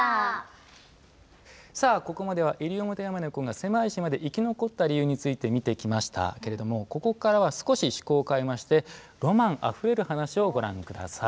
さあここまではイリオモテヤマネコが狭い島で生き残った理由について見てきましたけれどもここからは少し趣向を変えましてロマンあふれる話をご覧下さい。